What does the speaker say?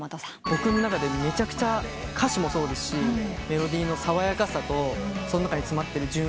僕の中でめちゃくちゃ歌詞もそうですしメロディーの爽やかさとその中に詰まってる純愛さ。